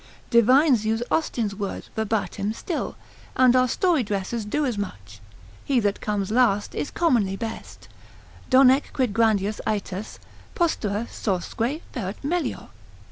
Divines use Austin's words verbatim still, and our story dressers do as much; he that comes last is commonly best, ———donec quid grandius aetas Postera sorsque ferat melior.